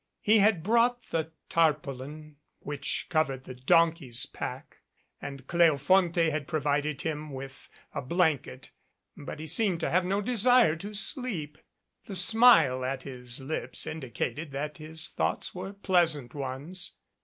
He had brought the tarpaulin which covered the donkey's pack, and Cleofonte had provided him with a blanket, but he seemed to have no desire to sleep. The smile at his lips indicated that his thoughts were pleas ant ones.